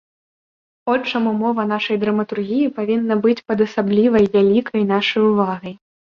От чаму мова нашай драматургіі павінна быць пад асаблівай вялікай нашай увагай.